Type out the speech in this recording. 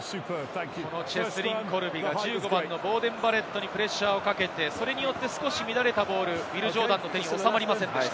チェスリン・コルビがボーデン・バレットにプレッシャーをかけてそれによって少し乱れたボール、ウィル・ジョーダンの手に収まりませんでした。